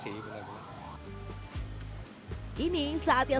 itulah gejalaan ini sebenarnya